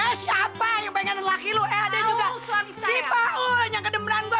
eh siapa yang pengen laki lo eh ada juga si paun yang kedemran gue